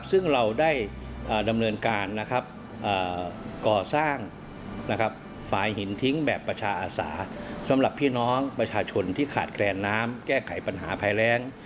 ซึ่งเราได้ดำเนินการก่อสร้างฝ่ายหินทิ้งแบบประชาอาสาสำหรับพี่น้องประชาชนที่ขาดแคลนน้ำแก้ไขปัญหาภัยแรง